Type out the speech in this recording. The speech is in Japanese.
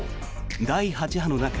第８波の中